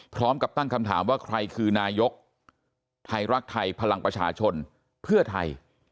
พร้อมกับตั้งคำถามว่าใครคือนายกไทยรักไทยพลังประชาชนเพื่อไทย